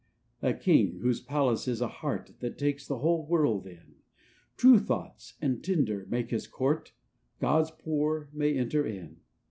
"A king, whose palace is a heart That takes the whole world in; True thoughts and tender make his court ; God's poor may enter in.